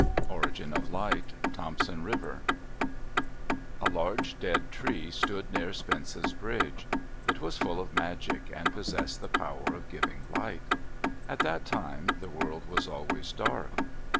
ORIGIN OF LIGHT Thompson River A large dead tree stood near Spence's Bridge. It was full of magic and possessed the power of giving light. At that time the world was always dark.